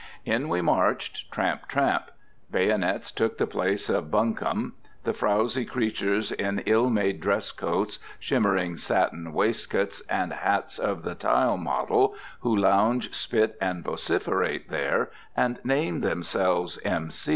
In we marched, tramp, tramp. Bayonets took the place of buncombe. The frowzy creatures in ill made dress coats, shimmering satin waistcoats, and hats of the tile model, who lounge, spit, and vociferate there, and name themselves M.